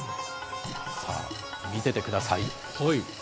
見ててください。